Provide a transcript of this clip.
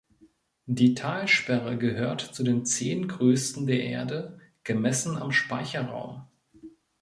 Die Talsperre gehört zu den zehn größten der Erde, gemessen am Speicherraum.